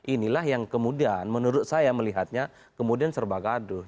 inilah yang kemudian menurut saya melihatnya kemudian serba gaduh